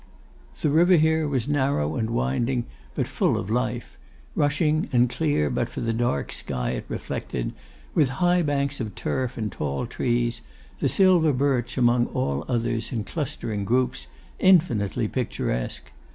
The river here was narrow and winding, but full of life; rushing, and clear but for the dark sky it reflected; with high banks of turf and tall trees; the silver birch, above all others, in clustering groups; infinitely picturesque.